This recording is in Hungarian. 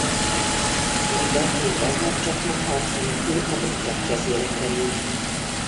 Lübeck még aznap csaknem harc nélkül a britek kezére került.